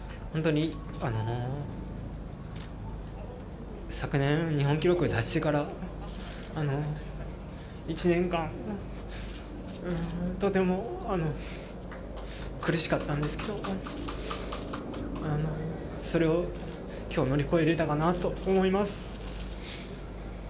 本当に昨年、日本記録を出してから、１年間とても苦しかったんですけど、それを今日、乗り越えられたかなと思います。